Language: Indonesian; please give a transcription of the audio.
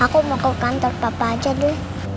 aku mau ke kantor papa aja dulu